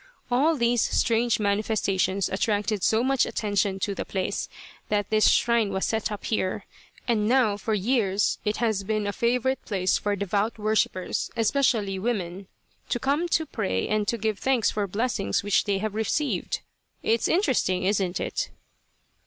All these strange manifestations attracted so much attention to the place that this shrine was set up here, and now for years it has been a favourite place for devout worshippers especially women to come to pray and to give thanks for blessings which they have received. "It's interesting, isn't it?"